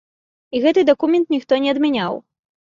І гэты дакумент ніхто не адмяняў!